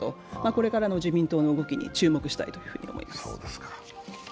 これからの自民党の動きに注目したいと思います。